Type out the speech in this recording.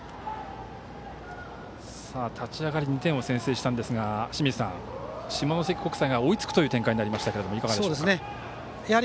立ち上がり２点を先制したんですが下関国際が追いつくという展開になりましたが、いかがでしょうか。